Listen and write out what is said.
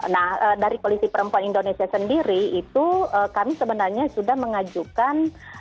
nah dari polisi perempuan indonesia sendiri itu kami sebenarnya sudah mengajukan